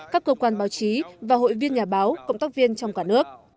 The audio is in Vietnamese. các cơ quan báo chí và hội viên nhà báo cộng tác viên trong cả nước